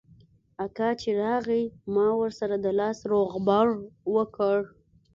اکا چې راغى ما ورسره د لاس روغبړ وکړ.